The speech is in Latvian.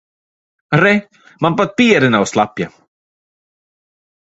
Re, man pat piere nav slapja.